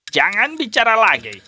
jangan bicara lagi